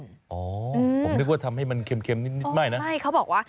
คงนึกว่าทำให้มันเค็มนิดมากนะ